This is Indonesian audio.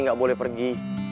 gak boleh pergi